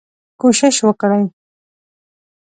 کوشش وکړئ